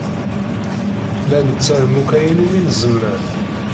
La nettarem akk ayen umi nezmer.